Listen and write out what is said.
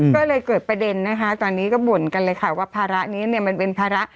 ก็เลยเกิดประเด็นนะคะตอนนี้ก็บ่นกันเลยค่ะว่าภาระนี้เนี่ยมันเป็นภาระ